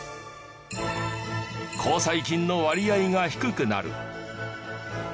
公債金の割合が低くなる。